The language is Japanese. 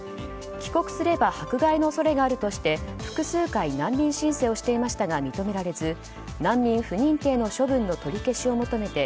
帰国すれば迫害の恐れがあるとして複数回難民申請をしていましたが認められず、難民不認定の処分の取り消しを求めて